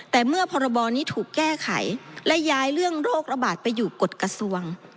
แต่เมื่อพรบนี้ถูกแก้ไขและย้ายเรื่องโรคระบาดไปอยู่กฎกระทรวง